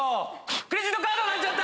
クレジットカードになっちゃった。